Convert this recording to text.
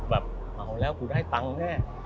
แบบเอาแล้วกูได้ตังค์แน่